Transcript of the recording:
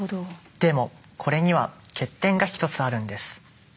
でもこれには欠点が１つあるんです。